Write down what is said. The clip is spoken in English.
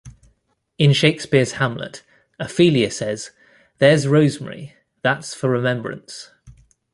In Shakespeare's "Hamlet", Ophelia says, "There's rosemary, that's for remembrance.